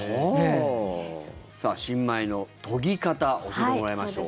新米の研ぎ方教えてもらいましょう。